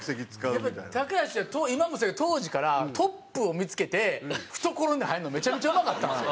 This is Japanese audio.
やっぱり高橋は今もそうやけど当時からトップを見付けて懐に入るのめちゃめちゃうまかったんですよ。